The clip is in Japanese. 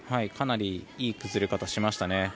かなりいい崩れ方をしましたね。